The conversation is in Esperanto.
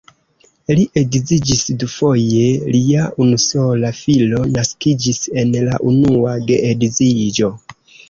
Li edziĝis dufoje, lia unusola filo naskiĝis en la unua geedziĝo.